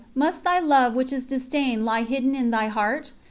must Thy Love which is disdained lie hidden in Thy Heart?